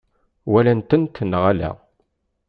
Walant-ten neɣ ala?